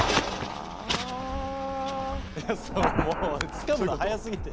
つかむの早すぎて。